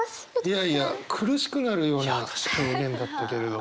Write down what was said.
いやいや苦しくなるような表現だったけれど。